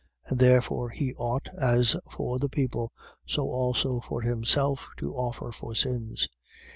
5:3. And therefore he ought, as for the people, so also for himself, to offer for sins.